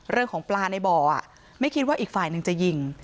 เรื่องของปลาในบ่อไม่คิดว่าอีกฝ่ายหนึ่งจะยิง